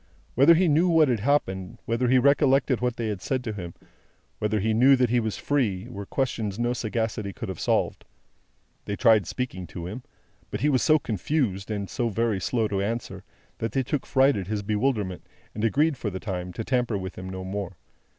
Whether he knew what had happened, whether he recollected what they had said to him, whether he knew that he was free, were questions which no sagacity could have solved. They tried speaking to him; but, he was so confused, and so very slow to answer, that they took fright at his bewilderment, and agreed for the time to tamper with him no more.